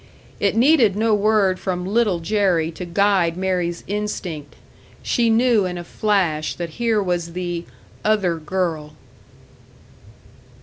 It needed no word from Little Jerry to guide Mary's instinct; she knew in a flash that here was the "other girl."